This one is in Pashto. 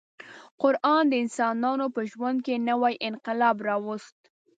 قران د انسانانو په ژوند کې نوی انقلاب راوست.